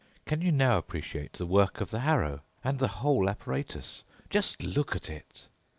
Can you now appreciate the work of the harrow and the whole apparatus? Just look at it!"